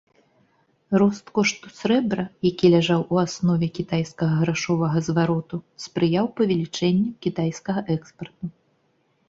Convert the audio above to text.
Рост кошту срэбра, які ляжаў у аснове кітайскага грашовага звароту, спрыяў павелічэнню кітайскага экспарту.